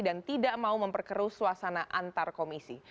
dan tidak mau memperkeru suasana antar komisi